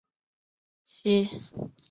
西邻泰国铁路东北线华目车站。